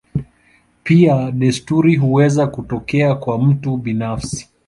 Pia desturi huweza kutokea kwa mtu binafsi.